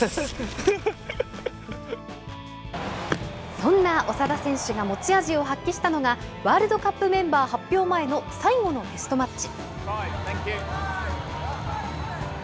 そんな長田選手が持ち味を発揮したのが、ワールドカップメンバー発表前の最後のテストマッチ。